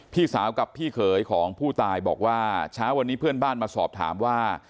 พี่สาวกับพี่เขยของผู้ตายบอกว่าเช้าวันนี้เพื่อนบ้านมาสอบถามว่า